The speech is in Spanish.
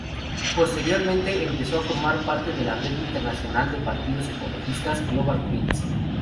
Posteriormente, empezó a formar parte de la red internacional de partidos ecologistas Global Greens.